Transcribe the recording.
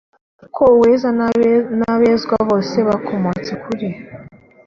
kuko uweza n’abezwa bose bakomotse kuri